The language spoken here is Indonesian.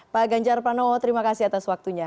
pak ganjar pranowo terima kasih atas waktunya